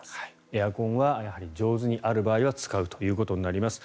エアコンは上手にある場合は使うということになります。